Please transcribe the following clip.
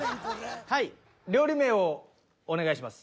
料理名をお願いします。